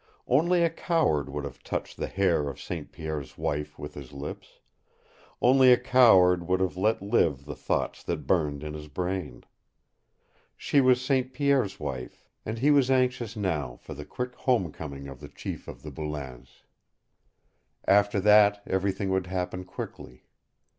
Only a coward would have touched the hair of St. Pierre's wife with his lips; only a coward would have let live the thoughts that burned in his brain. She was St. Pierre's wife and he was anxious now for the quick homecoming of the chief of the Boulains. After that everything would happen quickly.